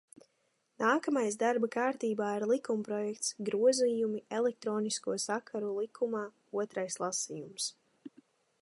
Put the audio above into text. "Nākamais darba kārtībā ir likumprojekts "Grozījumi Elektronisko sakaru likumā", otrais lasījums."